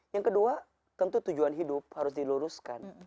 yang kedua tentu tujuan hidup harus diluruskan